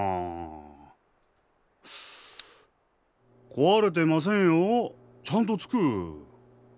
壊れてませんよちゃんとつく。